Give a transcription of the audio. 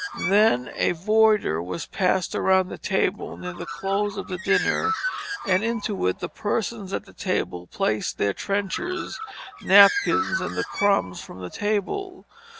Then a voider was passed around the table near the close of the dinner, and into it the persons at the table placed their trenchers, napkins, and the crumbs from the table.